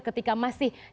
ketika masih dikampung